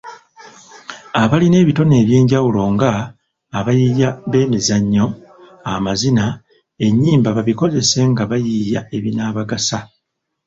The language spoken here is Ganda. Abalina ebitone eby'enjawulo nga; abayiiya b'emizannyo, amazina, ennyimba babikozese nga bayiiya ebinaabagasa.